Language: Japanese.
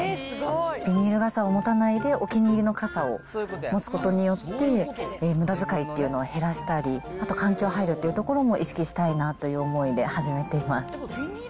ビニール傘を持たないでお気に入りの傘を持つことによって、むだづかいというのを減らしたり、あと環境配慮というところも意識したいなという思いで始めています。